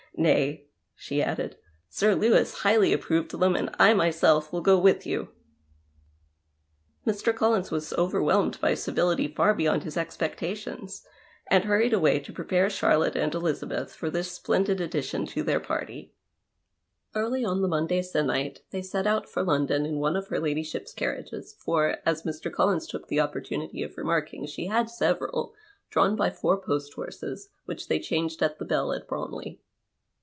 Nay," she added, " Sir Lewis highly approved them and / myself will go with you." Mr. Collins was overwhelmed by civility far beyond his ex})ectations, and hurried away to prepare Charlotte and Elizabeth for this splendid addition to their party. 40 LADY CATHERINE AND MR. COLLINS Early on the Monday se'nnight they set out for London in one of her ladyship's carriages, for, as Mr. Collins took the opportunity of remarking, she had several, dra^vn by four post horses, whieh they changed at the " Bell " at Bromley.